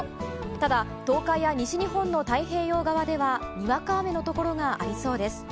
ただ、東海や西日本の太平洋側ではにわか雨のところがありそうです。